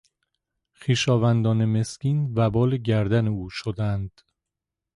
خویشاوندان مسکین وبال گردن او شدند.